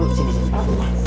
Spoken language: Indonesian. di sini aja dulu